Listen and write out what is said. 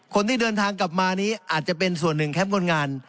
คนที่เดินทางกลับมานี้อาจจะเป็นส่วนหนึ่งแคมป์คนงาน